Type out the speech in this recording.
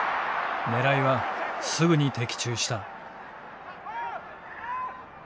狙いはすぐに的中した。